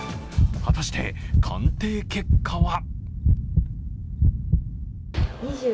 果たして鑑定結果は？